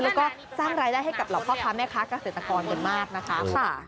แล้วก็สร้างรายได้ให้กับหล่อครอบคราวแม่ค้ากาศิษย์ตะกรเยอะมากนะคะ